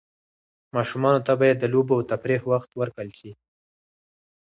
ماشومانو ته باید د لوبو او تفریح وخت ورکړل سي.